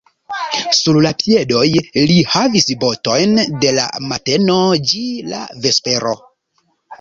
Sur la piedoj li havis botojn de la mateno ĝi la vespero.